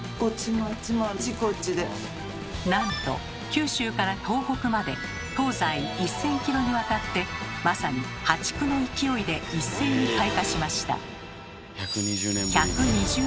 なんと九州から東北まで東西１，０００キロにわたってまさにハチクの勢いで一斉に開花しました。